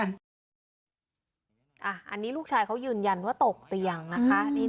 อันนี้ลูกชายเขายืนยันว่าตกเตียงนะคะ